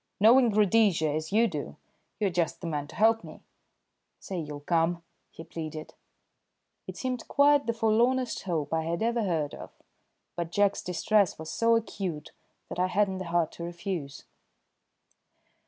Knowing Rhodesia as you do, you're just the man to help me. Say you'll come?" he pleaded. It seemed quite the forlornest hope I had ever heard of, but Jack's distress was so acute that I hadn't the heart to refuse.